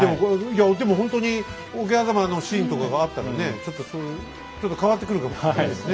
でもほんとに桶狭間のシーンとかがあったらねちょっと変わってくるかもしれないですね。